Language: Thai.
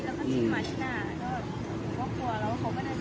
ตอนนี้กำหนังไปคุยของผู้สาวว่ามีคนละตบ